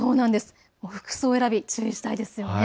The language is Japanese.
服装選びに注意したいですよね。